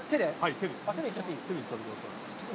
手で行っちゃってください。